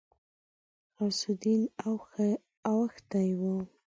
غوث الدين اوښتی و.